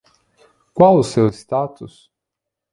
Qual o seu status?